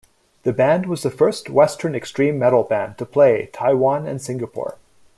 The band was the first Western extreme metal band to play Taiwan and Singapore.